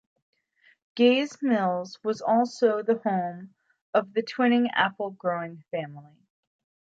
Gays Mills was also the home of the Twining apple-growing family.